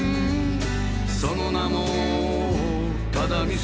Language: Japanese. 「その名も只見線」